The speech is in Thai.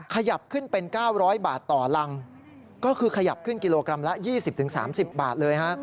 ขยับขึ้นเป็น๙๐๐บาทต่อรังก็คือขยับขึ้นกิโลกรัมละ๒๐๓๐บาทเลยฮะ